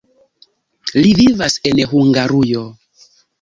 Li vivas en Hungarujo.